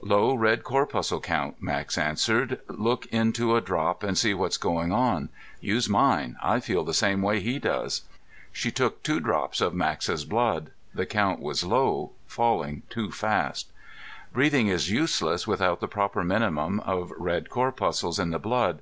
"Low red corpuscle count," Max answered. "Look into a drop and see what's going on. Use mine; I feel the same way he does." She took two drops of Max's blood. The count was low, falling too fast. Breathing is useless without the proper minimum of red corpuscles in the blood.